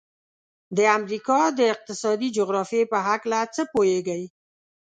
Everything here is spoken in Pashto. د امریکا د اقتصادي جغرافیې په هلکه څه پوهیږئ؟